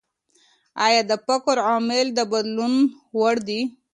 ايا د فقر عوامل د بدلون وړ دي؟